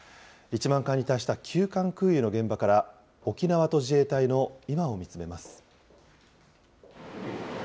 １万回に達した急患空輸の現場から、沖縄と自衛隊の今を見つめます。